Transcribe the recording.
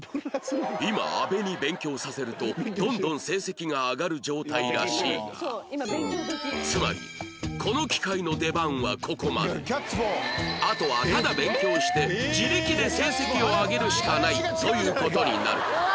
今阿部に勉強させるとどんどん成績が上がる状態らしいがつまりあとはただ勉強して自力で成績を上げるしかないという事になる